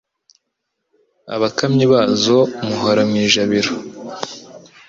Abakamyi bazo muhora mu ijabiro.